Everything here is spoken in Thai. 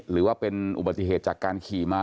หรือว่าเป็นอุบัติเหตุจากการขี่มา